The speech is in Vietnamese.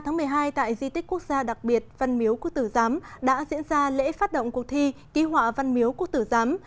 ngày một mươi hai tại di tích quốc gia đặc biệt văn miếu quốc tử giám đã diễn ra lễ phát động cuộc thi ký họa văn miếu quốc tử giám